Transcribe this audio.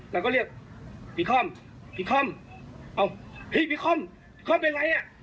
แล้วก็เรียกพี่ค่อมพี่ค่อมพี่ค่อมพี่ค่อมเป็นอะไร